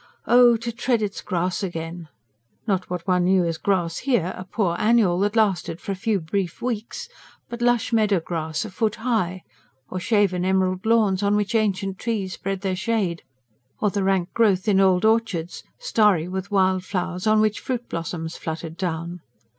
Oh, to tread its grass again! not what one knew as grass here, a poor annual, that lasted for a few brief weeks; but lush meadow grass, a foot high; or shaven emerald lawns on which ancient trees spread their shade; or the rank growth in old orchards, starry with wild flowers, on which fruit blossoms fluttered down.